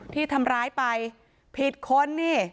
ที่ทำร้ายไปผิดคนนี่